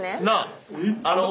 なあ！